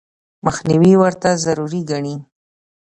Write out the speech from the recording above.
مخنیوي ورته ضروري ګڼي.